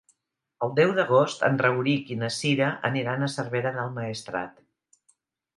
El deu d'agost en Rauric i na Cira aniran a Cervera del Maestrat.